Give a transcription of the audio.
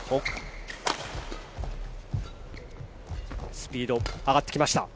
スピードが上がってきました。